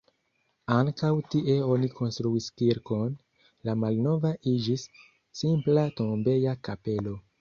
Ankaŭ tie oni konstruis kirkon, la malnova iĝis simpla tombeja kapelo.